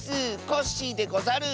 コッシーでござる！